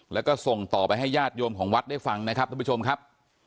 แล้วก็ส่งต่อไปให้ญาติโยมของวัดได้ฟังนะครับท่านผู้ชมครับ